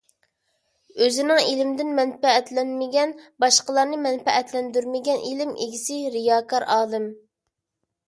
ئۆزىنىڭ ئىلمىدىن مەنپەئەتلەنمىگەن، باشقىلارنى مەنپەئەتلەندۈرمىگەن ئىلىم ئىگىسى رىياكار ئالىم.